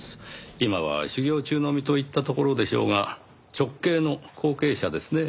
今は修業中の身といったところでしょうが直系の後継者ですねぇ。